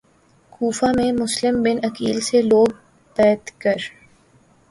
کوفہ میں مسلم بن عقیل سے لوگ بیعت کر